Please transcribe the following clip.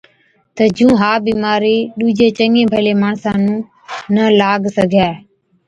تہ جُون ها بِيمارِي ڏُوجي چڱي ڀلي ماڻسا نُون نہ لاگ سِگھَي۔